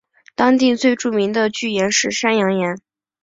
当地最著名的巨岩是山羊岩。